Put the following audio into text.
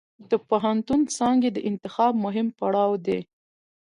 د پوهنتون څانګې د انتخاب مهم پړاو دی.